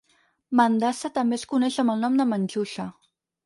Mandasa també es coneix amb el nom de "Manjusha".